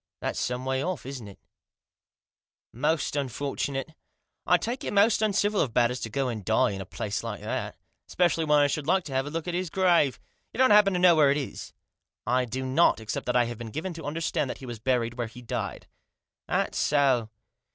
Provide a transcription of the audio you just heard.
" That's some way off, isn't it ? Most unfortunate. I take it most uncivil of Batters to go and die in a place like that. Epecially when I should like to have a look at his grave. You don't happen to know where it is." " I do not, except that I have been given to under stand that he was buried where he died." " That so